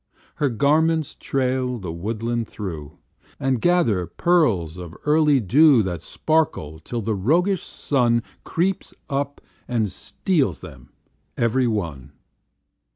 Her garments trail the woodland through, And gather pearls of early dew That sparkle till the roguish Sun Creeps up and steals them every one.